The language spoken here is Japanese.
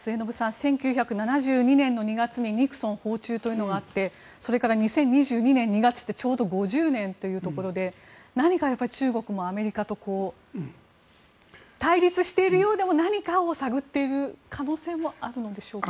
１９７２年の２月にニクソン訪中というのがあってそれから２０２２年２月ってちょうど５０年というところで何か中国もアメリカと対立しているようでも何かを探っている可能性もあるんでしょうか。